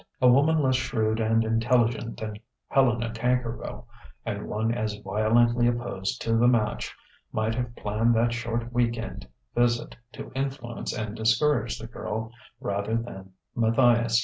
A woman less shrewd and intelligent than Helena Tankerville, and one as violently opposed to the match, might have planned that short week end visit to influence and discourage the girl rather than Matthias.